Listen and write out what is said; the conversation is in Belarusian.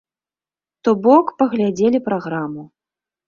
То бок, паглядзелі праграму.